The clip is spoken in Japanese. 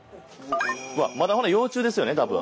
まだほな幼虫ですよねたぶん。